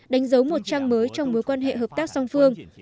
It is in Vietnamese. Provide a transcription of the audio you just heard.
đánh dấu một trang mới trong mối quan hệ hợp tác song phương